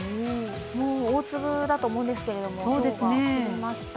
大粒だと思うんですがひょうが降りました。